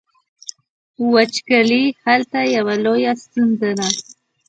وچکالي هلته یوه لویه ستونزه ده.